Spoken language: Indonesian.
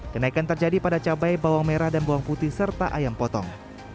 kenaikan terjadi pada cabai bawang merah dan bawang putih serta ayam potong